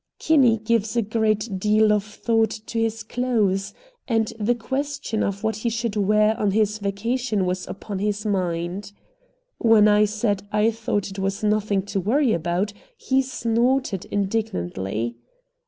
Kinney gives a great deal of thought to his clothes, and the question of what he should wear on his vacation was upon his mind. When I said I thought it was nothing to worry about, he snorted indignantly.